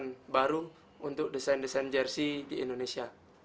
dan memiliki perusahaan baru untuk desain desain jersey di indonesia